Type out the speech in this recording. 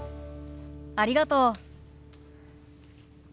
ありがとう。